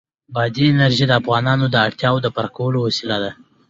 بادي انرژي د افغانانو د اړتیاوو د پوره کولو وسیله ده.